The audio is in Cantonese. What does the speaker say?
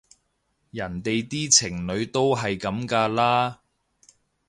人哋啲情侶都係噉㗎啦